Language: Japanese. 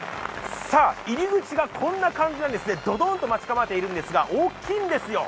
さあ、入り口がこんな感じなんですね、ドドーンと待ち構えてるんですが、大きいんですよ。